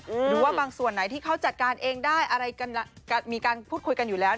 หรือว่าบางส่วนไหนที่เขาจัดการเองได้อะไรกันมีการพูดคุยกันอยู่แล้ว